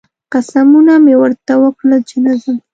قسمونه مې ورته وکړل چې نه ځم